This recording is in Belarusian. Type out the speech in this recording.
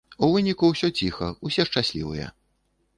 У выніку ўсё ціха, усе шчаслівыя.